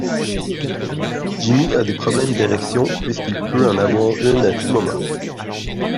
Jimmy a des problèmes d'érection, puisqu'il peut en avoir une à tout moment.